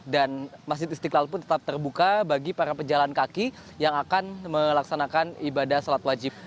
dan masjid istiqlal pun tetap terbuka bagi para pejalan kaki yang akan melaksanakan ibadah sholat wajib